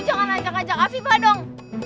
jangan aja kajak afifah dong